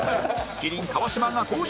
麒麟川島が登場！